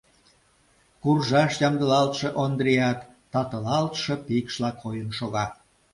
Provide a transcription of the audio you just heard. Куржаш ямдылалтше Ондриат татылалтше пикшла койын шога.